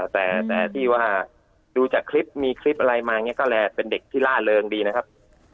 แต่ที่ว่าดูจากคลิปมีคลิปอะไรมาอย่างนี้ก็เลยเป็นเด็กที่ล่าเริงดีนะครับ